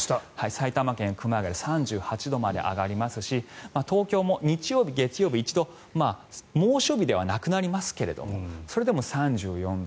埼玉県熊谷で３８度まで上がりますし東京も日曜日、月曜日一度、猛暑日ではなくなりますがそれでも３４度。